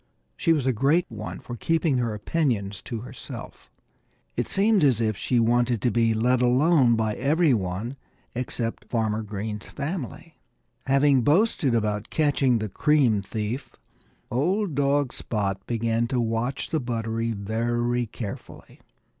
She was a great one for keeping her opinions to herself. It seemed as if she wanted to be let alone by every one except Farmer Green's family. Having boasted about catching the cream thief, old dog Spot began to watch the buttery very carefully.